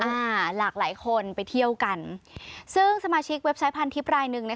อ่าหลากหลายคนไปเที่ยวกันซึ่งสมาชิกเว็บไซต์พันทิพย์รายหนึ่ง